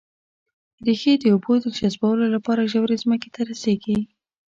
ريښې د اوبو جذبولو لپاره ژورې ځمکې ته رسېږي